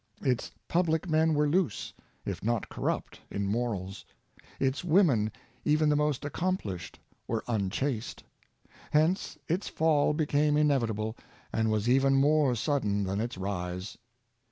Its public men were loose, if not corrupt, in morals. Its women, even the most accomplished, were unchaste. Hence its fall became inevitable, and was even more sudden than its rise.